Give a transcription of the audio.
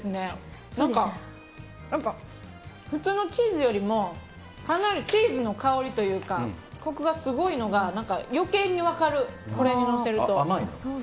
普通のチーズよりもかなりチーズの香りというかコクがすごいのが余計に分かる甘いんですか？